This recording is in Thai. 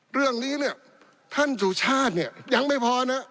เรื่องนี้ท่านสุชาติยังไม่พอนะ